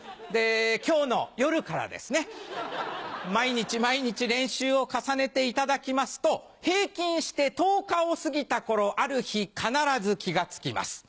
今日の夜からですね毎日毎日練習を重ねていただきますと平均して１０日を過ぎた頃ある日必ず気が付きます。